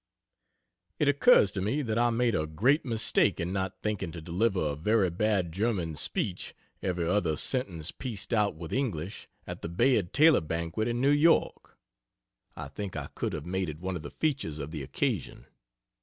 (It occurs to me that I made a great mistake in not thinking to deliver a very bad German speech, every other sentence pieced out with English, at the Bayard Taylor banquet in New York. I think I could have made it one of the features of the occasion.)